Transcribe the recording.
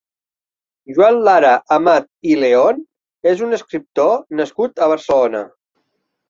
Joan Lara Amat i León és un escriptor nascut a Barcelona.